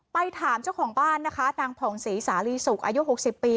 ไปถามเจ้าของบ้านนะคะนางผ่องศรีสาลีสุกอายุ๖๐ปี